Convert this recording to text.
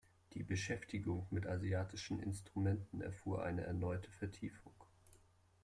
Die Beschäftigung mit asiatischen Instrumenten erfuhr eine erneute Vertiefung.